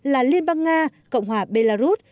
là liên bang nga cộng hòa belarus